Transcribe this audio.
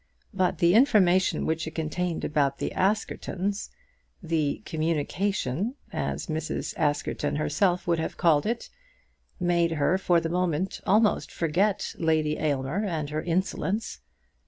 But the information which it contained about the Askertons, "the communication," as Mrs. Askerton herself would have called it, made her for the moment almost forget Lady Aylmer and her insolence.